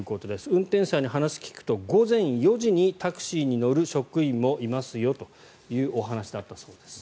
運転手さんに話を聞くと午前４時にタクシーに乗る職員もいますよというお話だったそうです。